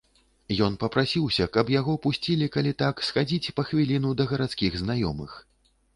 І ён папрасіўся, каб яго пусцілі, калі так, схадзіць па хвіліну да гарадскіх знаёмых.